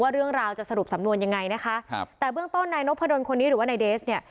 เรื่องราวจะสรุปสำนวนยังไงนะคะครับแต่เบื้องต้นนายนพดลคนนี้หรือว่านายเดสเนี่ย